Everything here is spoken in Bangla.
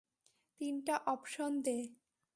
তিনটা অপশন দে।